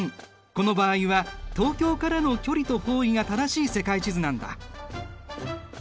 この場合は東京からの距離と方位が正しい世界地図なんだ。